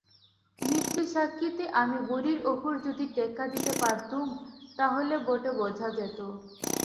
মিথ্যে সাক্ষিতে আমি বুড়ির উপর যদি টেক্কা দিতে পারতুম তা হলে বটে বোঝা যেত।